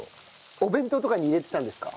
お弁当とかに入れてたんですか？